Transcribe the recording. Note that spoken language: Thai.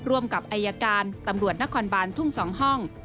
ร่วมกับอายการตำรวจนครบานทุ่ง๒ห้อง